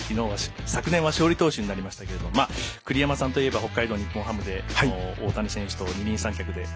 昨年は勝利投手になりましたが栗山さんといえば北海道日本ハムファイターズで大谷翔平選手と二人三脚で。